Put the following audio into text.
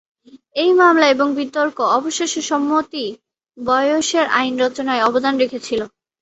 এই মামলা এবং বিতর্ক অবশেষে "সম্মতি বয়সের আইন" রচনায় অবদান রেখেছিল।